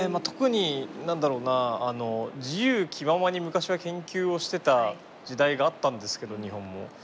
特に何だろうな自由気ままに昔は研究をしてた時代があったんですけど日本も。